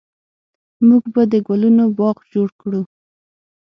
موږ به د ګلونو باغ جوړ کړو